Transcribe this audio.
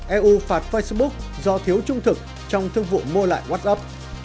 eu phạt facebook do thiếu trung thực trong thương vụ mua lại wtop